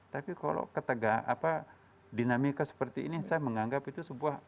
tapi kalau ketegangan dinamika seperti ini saya menganggap itu sebuah